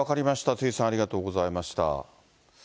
辻さん、ありがとうございました。